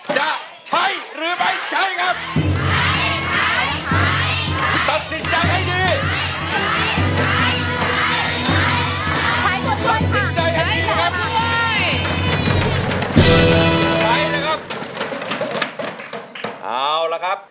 จะใช้หรือไม่ใช้ครับ